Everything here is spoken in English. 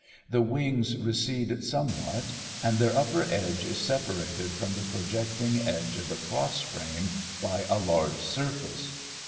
The wings recede somewhat and their upper edge is separated from the projecting edge of the cross frame by a large surface.